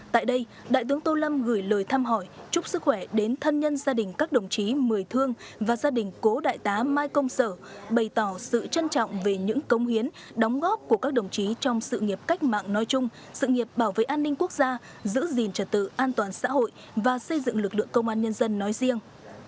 tại đây đại tướng tô lâm gửi lời thăm hỏi chúc sức khỏe đến thân nhân gia đình các đồng chí mười thương và gia đình cố đại tá mai công sở bày tỏ sự trân trọng về những công hiến đóng góp của các đồng chí trong sự nghiệp cách mạng nói chung sự nghiệp bảo vệ an ninh quốc gia giữ gìn trật tự an toàn xã hội và xây dựng lực lượng công an nhân dân nói riêng